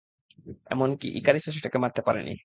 এমনকি ইকারিসও সেটাকে মারতে পারেনি।